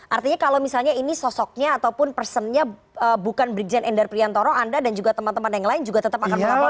artinya kalau misalnya ini sosoknya ataupun personnya bukan brigjen endar priantoro anda dan juga teman teman yang lain juga tetap akan melaporkan